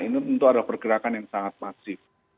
ini tentu ada pergerakan yang sangat masif